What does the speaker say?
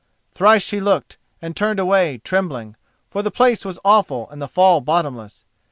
Thrice she looked, and turned away, trembling, for the place was awful and the fall bottomless.